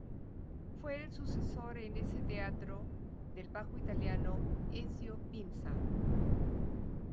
Fue el sucesor en ese teatro del bajo italiano Ezio Pinza.